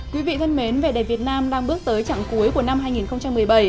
quý vị thân mến về đẹp việt nam đang bước tới trạng cuối của năm hai nghìn một mươi bảy